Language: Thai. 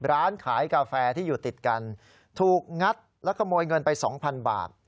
ร้านขายกาแฟที่อยู่ติดกันถูกงัดและขโมยเงินไปสองพันบาท